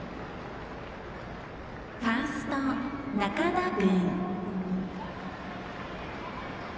ファースト、仲田君。